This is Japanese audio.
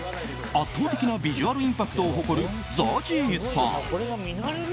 圧倒的なビジュアルインパクトを誇るＺＡＺＹさん。